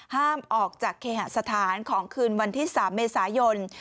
ห้ามออกจากเคหสถานของคืนวันที่๓เมษายน